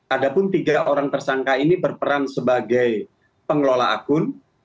adapun tiga orang tersangka ini berperan sebagai pengelola akun